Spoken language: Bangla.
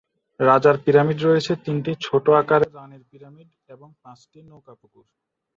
রাজার পিরামিড রয়েছে তিনটি ছোট আকারের রানীর পিরামিড এবং পাঁচটি নৌকা পুকুর।